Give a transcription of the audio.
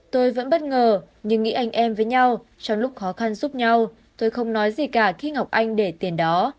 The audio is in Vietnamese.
tôi vẫn bất ngờ nhưng nghĩ anh em với nhau trong lúc khó khăn giúp nhau tôi không nói gì cả khi ngọc anh để tiền đó